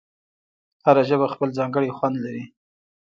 هره ژبه خپل ځانګړی خوند لري.